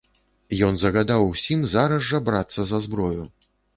Ён загадаў усім зараз жа брацца за зброю.